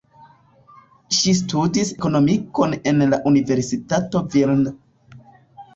Ŝi studis ekonomikon en la Universitato Vilno.